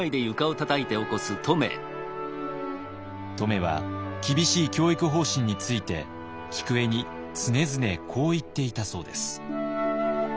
乙女は厳しい教育方針について菊栄に常々こう言っていたそうです。